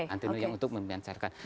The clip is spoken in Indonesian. antenanya untuk memancarkan